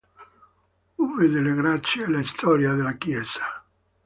V. delle Grazie e la storia della chiesa.